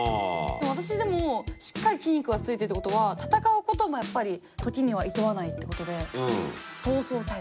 私でもしっかり筋肉がついてるってことは戦うこともやっぱり時にはいとわないってことで闘争タイプ。